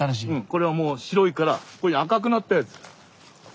これはもう白いからこういうふうに赤くなったやつ。